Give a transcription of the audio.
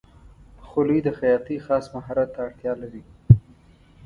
خولۍ د خیاطۍ خاص مهارت ته اړتیا لري.